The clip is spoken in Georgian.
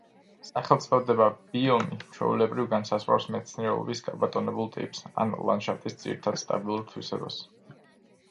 სახელწოდება „ბიომი“ ჩვეულებრივ განსაზღვრავს მცენარეულობის გაბატონებულ ტიპს ან ლანდშაფტის ძირითად სტაბილურ თვისებას.